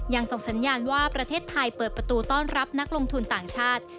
ส่งสัญญาณว่าประเทศไทยเปิดประตูต้อนรับนักลงทุนต่างชาติ